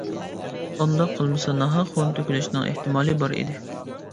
ئۇنداق قىلمىسا ناھەق خۇن تۆكۈلۈشنىڭ ئېھتىمالى بار ئىدى.